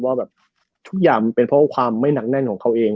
ว่าแบบทุกอย่างเป็นเพราะความไม่หนักแน่นของเขาเอง